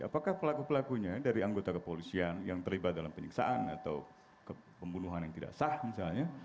apakah pelaku pelakunya dari anggota kepolisian yang terlibat dalam penyiksaan atau pembunuhan yang tidak sah misalnya